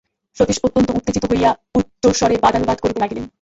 সতীশ অত্যন্ত উত্তেজিত হইয়া উচ্চৈঃস্বরে বাদানুবাদ করিতে লাগিল।